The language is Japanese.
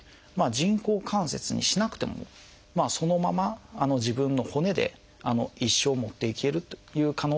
人工関節にしなくてもそのまま自分の骨で一生もっていけるという可能性もありますので。